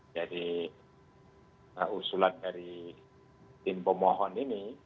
jadi usulan dari tim pemohon ini